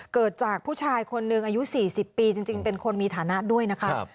เกิดจากผู้ชายคนหนึ่งอายุ๔๐ปีจริงเป็นคนมีฐานะด้วยนะคะ